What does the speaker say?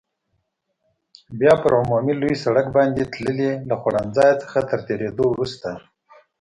بیا پر عمومي لوی سړک باندې تللې، له خوړنځای څخه تر تېرېدو وروسته.